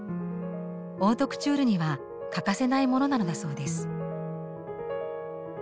オートクチュールには欠かせないものなのだそうです。